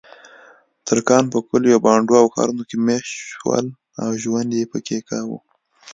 ترکان په کلیو، بانډو او ښارونو کې میشت شول او ژوند یې پکې کاوه.